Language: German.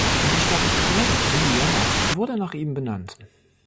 Die Stadt Crane, Indiana, wurde nach ihm benannt.